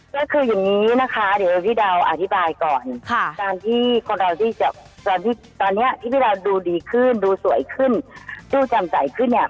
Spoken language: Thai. ก็คืออย่างนี้นะคะเดี๋ยวพี่ดาวอธิบายก่อนตอนที่พี่ดาวดูดีขึ้นดูสวยขึ้นดูจำใจขึ้นเนี่ย